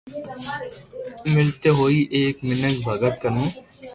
ملتي ھوئي ايڪ مينک ڀگت ڪنو